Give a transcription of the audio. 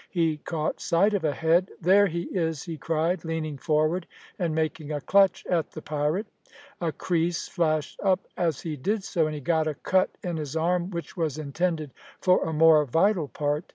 He caught sight of a head. "There he is," he cried, leaning forward and making a clutch at the pirate. A creese flashed up as he did so, and he got a cut in his arm which was intended for a more vital part.